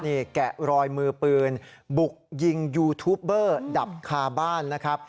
นี่แกะรอยมือปืนบุกยิงยูทูปเบอร์ดับคาบ้านนะครับ